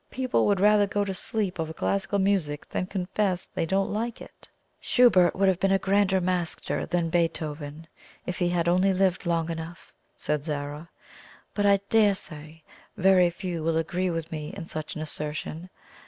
People would rather go to sleep over classical music than confess they don't like it." "Schubert would have been a grander master than Beethoven, if he had only lived long enough," said Zara; "but I dare say very few will agree with me in such an assertion.